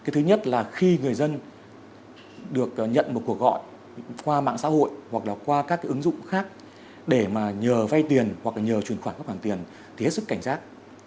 thứ nhất là khi người dân được nhận một cuộc gọi qua mạng xã hội hoặc là qua các ứng dụng khác để nhờ vay tiền hoặc là nhờ chuyển khoản các khoản tiền thì hết sức cảnh giác